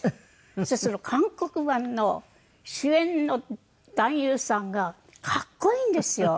そうすると韓国版の主演の男優さんがかっこいいんですよ。